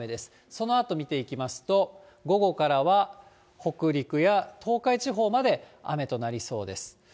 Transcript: そのあと見ていきますと、午後からは北陸や東海地方まで雨となりそうです。